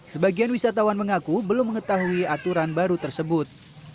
sebagian wisatawan mengaku belum mengetahui aturan baru tersebut